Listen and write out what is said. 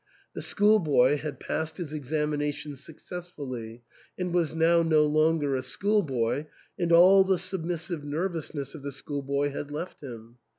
The schoolboy had passed his examination successfully, was now no longer a schoolboy, and all the submissive nervousness of the schoolboy had left him.